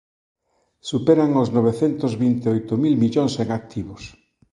Superan os novecentos vinte e oito mil millóns en activos.